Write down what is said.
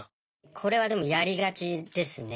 これはでもやりがちですね。